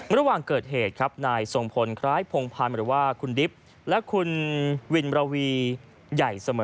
ระหว่างเกิดเหตุครับนายทรงพลคล้ายพงพันธ์หรือว่าคุณดิบและคุณวินรวีใหญ่เสมอ